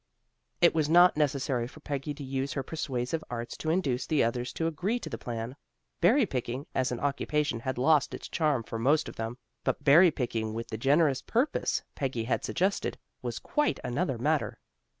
It was not necessary for Peggy to use her persuasive arts to induce the others to agree to the plan. Berry picking as an occupation had lost its charm for most of them, but berry picking with the generous purpose Peggy had suggested, was quite another matter.